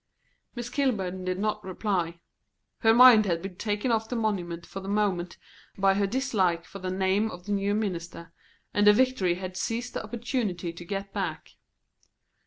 Miss Kilburn did not reply. Her mind had been taken off the monument for the moment by her dislike for the name of the new minister, and the Victory had seized the opportunity to get back.